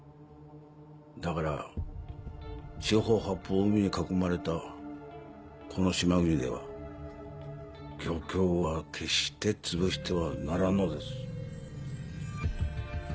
だから四方八方海に囲まれたこの島国では漁協は決して潰してはならんのです。